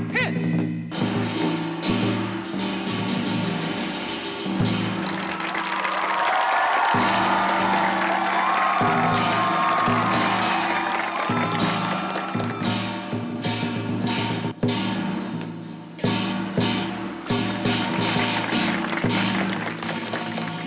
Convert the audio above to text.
วันนี้ข้ามาขอยืมของสำคัญ